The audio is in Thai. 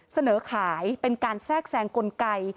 เสนอขายเป็นการแทรกแซงกลไก